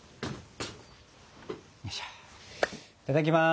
いただきます！